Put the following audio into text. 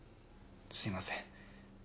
すいません。